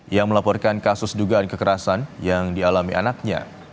ia melaporkan kasus dugaan kekerasan yang dialami anaknya